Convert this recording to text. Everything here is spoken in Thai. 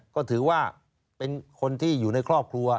ก็ถือว่าเป็นคนที่อยู่ในครอบครัว